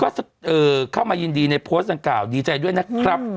ก็เข้ามายินดีในโพสต์ดังกล่าวดีใจด้วยนะครับ